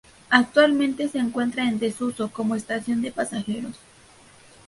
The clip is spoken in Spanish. Actualmente se encuentra en desuso como estación de pasajeros.